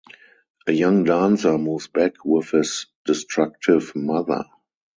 A young dancer moves back with his destructive mother.